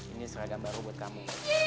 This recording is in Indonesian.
ini seragam baru buat kamu